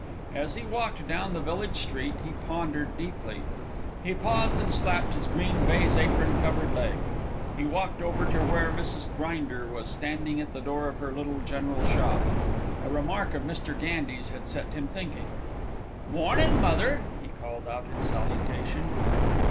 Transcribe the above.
As he walked down the village street he pondered deeply. He paused and slapped his green baize apron covered leg. He walked over to where Mrs. Grinder was standing at the door of her little general shop. A remark of Mr. Gandy's had set him thinking. "Mornin', mother," he called out in salutation.